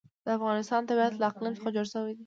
د افغانستان طبیعت له اقلیم څخه جوړ شوی دی.